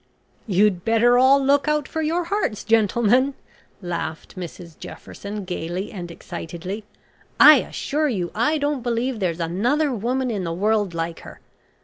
"You'd better all look out for your hearts, gentlemen," laughed Mrs Jefferson gaily and excitedly. "I assure you I don't believe there's another woman in the world like her.